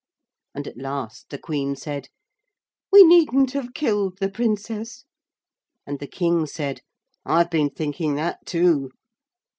And at last the Queen said, 'We needn't have killed the Princess.' And the King said, 'I've been thinking that, too.'